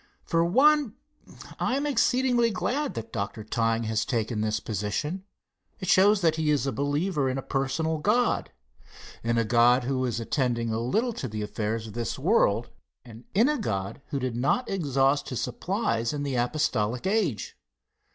For one I am exceedingly glad that Dr. Tyng has taken this position. It shows that he is a believer in a personal God, in a God who is attending a little to the affairs of this world, and in a God who did not exhaust his supplies in the apostolic age.